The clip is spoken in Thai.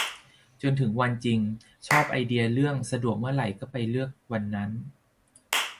จนถึงวันจริง - ชอบไอเดียเรื่อง สะดวกเมื่อไหร่ก็ไปเลือกวันนั้น